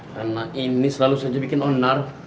karena ini selalu saja bikin onar